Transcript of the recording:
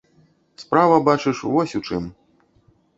Справа, бачыш, вось у чым.